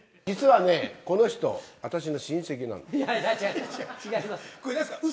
実はね、この人、私の親戚なんです。